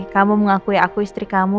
kamu mengakui aku istri kamu